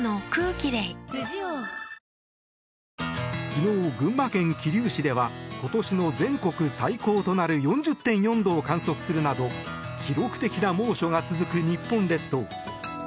昨日、群馬県桐生市では今年の全国最高となる４０．４度を記録するなど記録的な猛暑が続く日本列島。